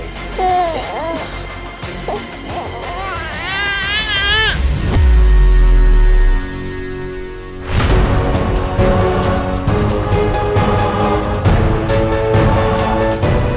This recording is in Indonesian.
apa itu bener